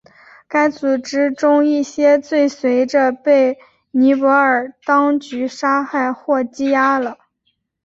该组织中一些最随着被尼泊尔当局杀害或羁押了。